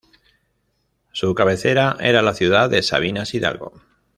Su cabecera era la ciudad de Sabinas Hidalgo.